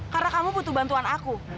karena kamu butuh bantuan aku